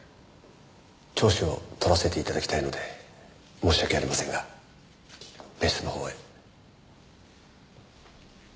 調書を取らせて頂きたいので申し訳ありませんが別室のほうへ。